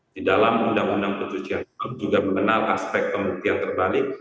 di dalam undang undang pencucian uang juga mengenal aspek pembuktian terbalik